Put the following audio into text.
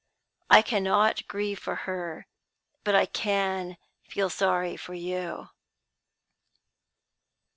I cannot grieve for her; but I can feel sorry for you."